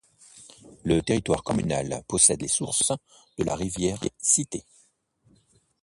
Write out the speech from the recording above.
Le territoire communal possède les sources de la rivière Cité.